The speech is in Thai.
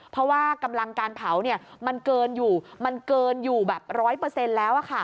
เพราะว่ากำลังการเผามันเกินอยู่๑๐๐แล้ว